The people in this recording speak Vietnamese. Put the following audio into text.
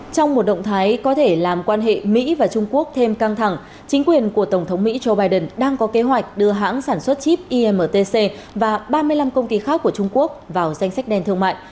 trong một động thái có thể làm quan hệ mỹ và trung quốc thêm căng thẳng chính quyền của tổng thống mỹ joe biden đang có kế hoạch đưa hãng sản xuất chip imtc và ba mươi năm công ty khác của trung quốc vào danh sách đen thương mại